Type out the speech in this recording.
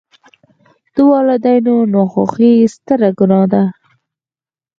د والداینو ناخوښي ستره ګناه ده.